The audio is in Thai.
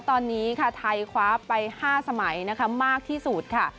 ตอนนี้ค่ะไทยคว้าไป๕สมัยนะคะมากที่สุดค่ะ